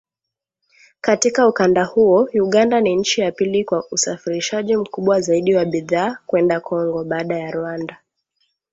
Katika ukanda huo, Uganda ni nchi ya pili kwa usafirishaji mkubwa zaidi wa bidhaa kwenda Kongo, baada ya Rwanda